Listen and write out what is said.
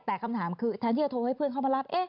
แต่คำถามคือแทนที่จะโทรให้เพื่อนเข้ามารับ